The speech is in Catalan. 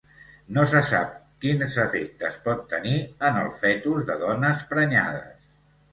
No se sap quins efectes pot tenir en el fetus de dones prenyades.